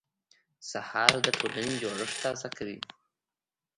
سهار د ټولنې جوړښت تازه کوي.